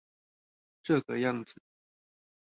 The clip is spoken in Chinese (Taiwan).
這個樣子